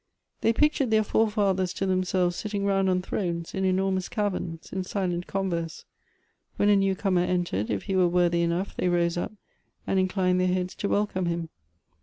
They pictured their fore fathers to themselves sitting round on thrones, in enormous caverns, in silent converse ; when a new comer entered, if he were worthy enough, they rose up, and inclined their heads to welcome him.